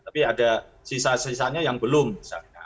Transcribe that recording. tapi ada sisa sisanya yang belum misalnya